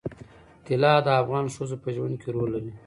طلا د افغان ښځو په ژوند کې رول لري.